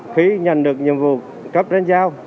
khi nhận được nhiệm vụ cấp trên giao